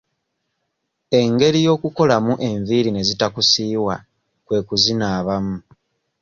Engeri y'okukolamu enviiri ne zitakusiiwa kwe kuzinaabamu.